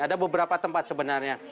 ada beberapa tempat sebenarnya